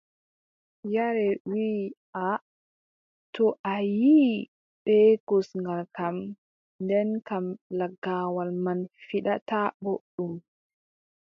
Yaare wii aaʼa, to a ƴiʼi bee kosngal kam, nden kam lagaawal man fiɗataa booɗɗum.